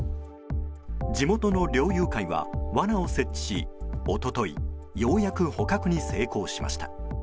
地元の猟友会は、わなを設置し一昨日ようやく捕獲に成功しました。